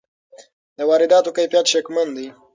د وارداتو کیفیت شکمن دی.